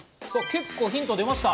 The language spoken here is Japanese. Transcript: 結構、ヒントが出ました。